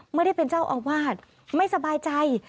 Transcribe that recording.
ไม่ได้เป็นเจ้าอาวาสไม่สบายใจ